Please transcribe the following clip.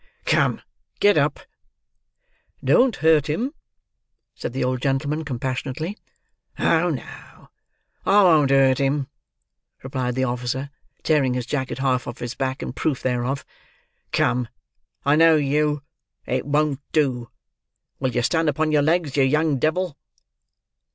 "Come, get up!" "Don't hurt him," said the old gentleman, compassionately. "Oh no, I won't hurt him," replied the officer, tearing his jacket half off his back, in proof thereof. "Come, I know you; it won't do. Will you stand upon your legs, you young devil?"